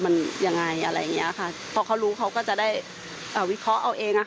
มันยังไงอะไรอย่างเงี้ยค่ะพอเขารู้เขาก็จะได้วิเคราะห์เอาเอง